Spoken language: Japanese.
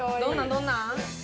どんなん？